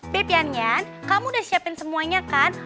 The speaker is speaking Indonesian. beb yan yan kamu udah siapin semuanya kan